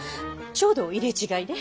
ちょうど入れ違いで。